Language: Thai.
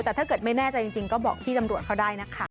แต่ถ้าเกิดไม่แน่ใจจริงก็บอกพี่ตำรวจเขาได้นะคะ